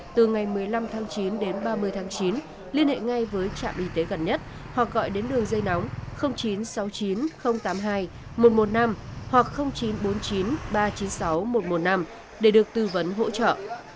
từ ngày một mươi năm tháng chín đến ba mươi tháng chín liên hệ ngay với trạm y tế gần nhất hoặc gọi đến đường dây nóng chín trăm sáu mươi chín tám mươi hai một trăm một mươi năm hoặc chín trăm bốn mươi chín ba trăm chín mươi sáu một trăm một mươi năm để được tư vấn hỗ trợ